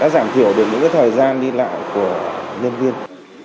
đã giảm thiểu được những cái thời gian đi lại của nhân viên